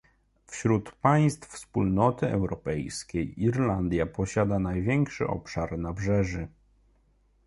Wśród państw Wspólnoty Europejskiej Irlandia posiada największy obszar nabrzeży